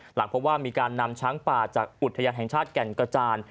หลังพบว่ามีการนำช้างป่าจากอุทยานแห่งชาติแก่นกระจาน